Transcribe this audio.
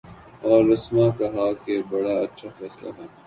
اور رسما کہا کہ بڑا اچھا فیصلہ ہے۔